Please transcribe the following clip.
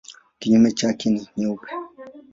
Kinyume chake ni nyeupe.